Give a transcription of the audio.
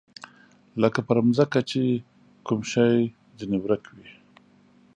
لکه په ځمکه چې کوم شی ترې ورک وي.